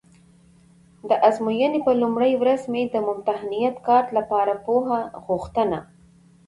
د ازموینې په لومړۍ ورځ مې د ممتحنیت کارت لپاره پوښ غوښته.